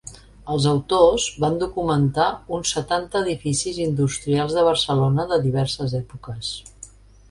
Els autors van documentar uns setanta edificis industrials de Barcelona de diverses èpoques.